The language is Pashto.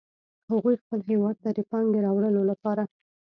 هغوی خپل هیواد ته د پانګې راوړلو لپاره